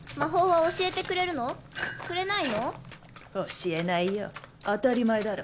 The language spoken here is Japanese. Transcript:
教えないよ当たり前だろ。